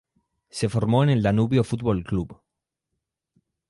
Se formó en el Danubio Fútbol Club.